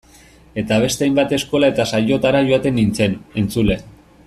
Eta beste hainbat eskola eta saiotara joaten nintzen, entzule.